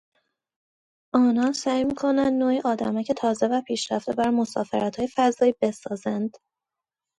آنان سعی میکنند نوعیآدمک تازه و پیشرفته برای مسافرتهای فضایی بسازند.